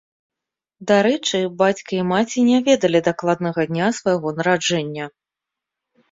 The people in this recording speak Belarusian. Дарэчы, бацька і маці не ведалі дакладнага дня свайго нараджэння.